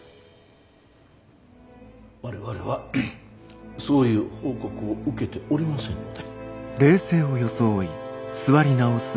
我々はそういう報告を受けておりませんので。